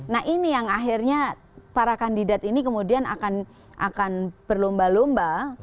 nah ini yang akhirnya para kandidat ini kemudian akan berlomba lomba